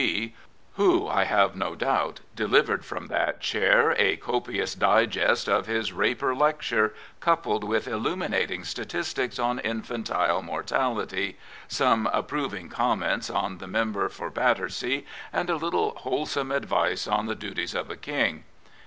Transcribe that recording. B./' who, I have no doubt, delivered from that chair a copious digest of his Raper lecture, coupled with illuminating statistics on infantile mortality, some approving comments on the member for Batter sea, and a little wholesome advice on the duties of a King.